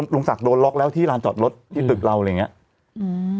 ลุงศักดิ์โดนล็อกแล้วที่ลานจอดรถที่ตึกเราอะไรอย่างเงี้ยอืม